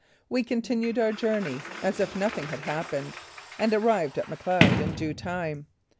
We continued our journey as if nothing had happened, and arrived at Macleod in due time.